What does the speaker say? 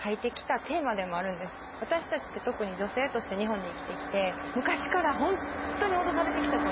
私たちって特に女性として日本で生きてきて。